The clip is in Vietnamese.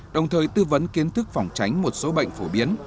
đồng thời tư vấn kiến thức phòng tránh một số bệnh phổ biến